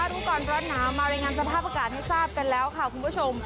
รู้ก่อนร้อนหนาวมารายงานสภาพอากาศให้ทราบกันแล้วค่ะคุณผู้ชม